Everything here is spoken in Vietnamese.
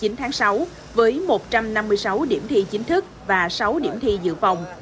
hôm nay là ngày hai mươi bảy tháng sáu với một trăm năm mươi sáu điểm thi chính thức và sáu điểm thi dự phòng